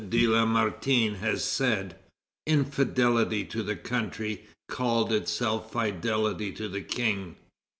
de Lamartine has said: "Infidelity to the country called itself fidelity to the King.